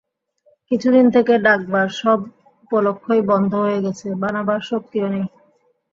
কিছুদিন থেকে ডাকবার সব উপলক্ষই বন্ধ হয়ে গেছে, বানাবার শক্তিও নেই।